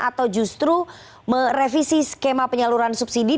atau justru merevisi skema penyaluran subsidi